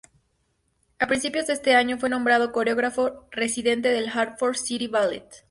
A principios de ese año fue nombrado coreógrafo residente del Hartford City Ballet.